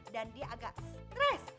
dan dia agak stress